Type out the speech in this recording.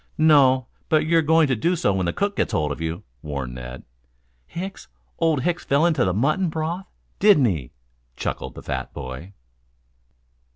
"No, but you're going to do so when the cook gets hold of you," warned Ned. "Hicks? Old Hicks fell into the mutton broth, didn't he?" chuckled the fat boy.